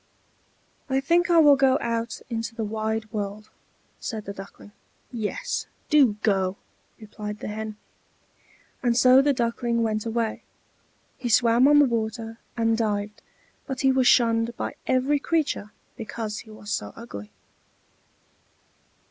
"I think I will go out into the wide world," said the Duckling. "Yes, do go," replied the Hen. And so the Duckling went away. He swam on the water, and dived, but he was shunned by every creature because he was so ugly.